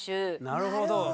なるほど。